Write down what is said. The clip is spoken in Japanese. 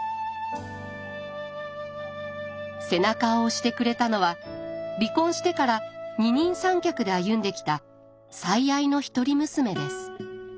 背中を押してくれたのは離婚してから二人三脚で歩んできた最愛の一人娘です。